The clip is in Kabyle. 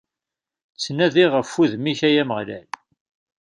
Ttnadiɣ ɣef wudem-ik, ay Ameɣlal!